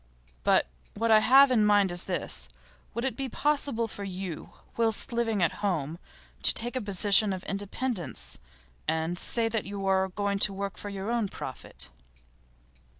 But what I have in mind is this. Will it be possible for you, whilst living at home, to take a position of independence, and say that you are going to work for your own profit?